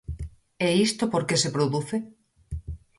¿E isto por que se produce?